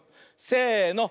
せの！